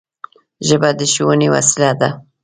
ژبه د ښوونې وسیله ده